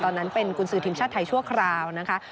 ตอนนั้นเป็นกุญสือทีมชาติไทยชั่วคราวนะคะ